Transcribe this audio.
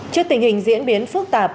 trước tình hình diễn biến phức tạp